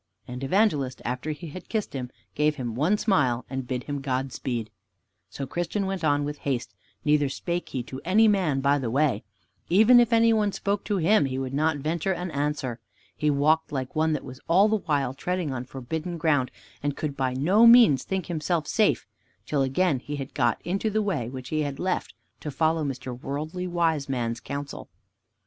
And Evangelist, after he had kissed him, gave him one smile, and bid him Godspeed. So Christian went on with haste, neither spake he to any man by the way. Even if any one spoke to him, he would not venture an answer. He walked like one that was all the while treading on forbidden ground, and could by no means think himself safe, till again he had got into the way which he had left to follow Mr. Worldly Wiseman's counsel.